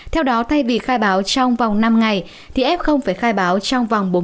theo đó thay vì khai báo trong vòng năm ngày thì f phải khai báo trong vòng bốn mươi tám giờ đầu